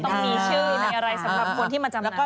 เพราะว่าต้องมีชื่ออะไรสำหรับคนที่มาจำน้ำ